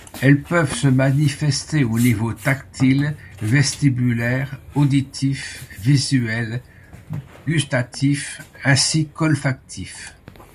Elles peuvent se manifester au niveau tactile, vestibulaire, auditif, visuel, gustatif ainsi qu'olfactif.